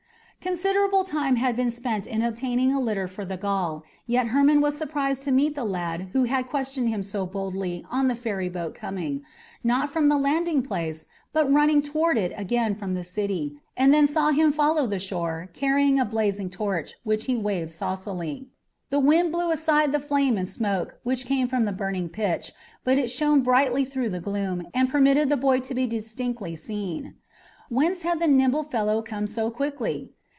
Considerable time had been spent in obtaining a litter for the Gaul, yet Hermon was surprised to meet the lad who had questioned him so boldly on the ferryboat coming, not from the landing place, but running toward it again from the city, and then saw him follow the shore, carrying a blazing torch, which he waved saucily. The wind blew aside the flame and smoke which came from the burning pitch, but it shone brightly through the gloom and permitted the boy to be distinctly seen. Whence had the nimble fellow come so quickly?